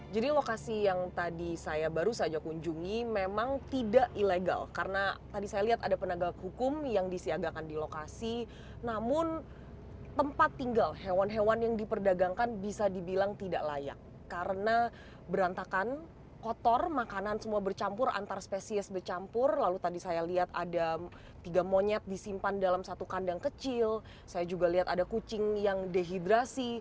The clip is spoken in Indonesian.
jadi lokasi yang tadi saya baru saja kunjungi memang tidak ilegal karena tadi saya lihat ada penagak hukum yang disiagakan di lokasi namun tempat tinggal hewan hewan yang diperdagangkan bisa dibilang tidak layak karena berantakan kotor makanan semua bercampur antar spesies bercampur lalu tadi saya lihat ada tiga monyet disimpan dalam satu kandang kecil saya juga lihat ada kucing yang dehidrasi